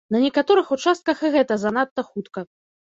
На некаторых участках і гэта занадта хутка.